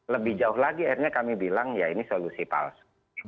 lebih jauh lagi akhirnya kami bilang ya ini solusi palsu